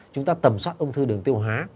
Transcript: chúng ta tầm soát ung thư đường tiêu hóa